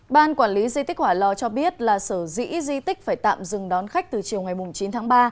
ban quản lý di tích hỏa lò cho biết là sở dĩ di tích phải tạm dừng đón khách từ chiều ngày chín tháng ba